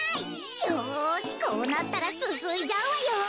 よしこうなったらすすいじゃうわよ。